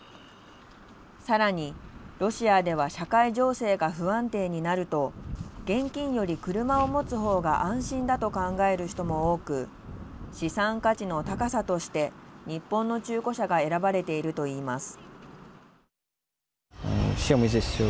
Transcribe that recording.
さらにロシアでは社会情勢が不安定になると現金より車をもつ方が安心だと考える人も多く資産価値の高さとして日本の中古車が選ばれていると言います。